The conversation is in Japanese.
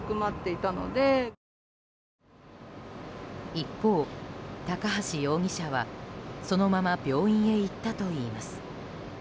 一方、高橋容疑者はそのまま病院へ行ったといいます。